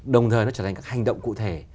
đồng thời nó trở thành các hành động cụ thể